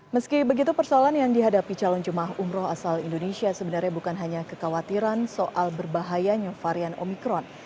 meski begitu persoalan yang dihadapi calon jemaah umroh asal indonesia sebenarnya bukan hanya kekhawatiran soal berbahayanya varian omikron